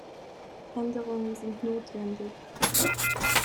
Änderungen sind notwendig.